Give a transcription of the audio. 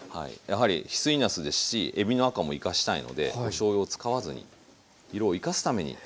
やはり翡翠なすですしえびの赤も生かしたいのでおしょうゆを使わずに色を生かすために塩を使っています。